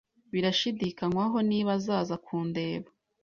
Birashidikanywaho niba azaza kundeba.